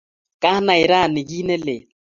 Kanai rani kit ne lel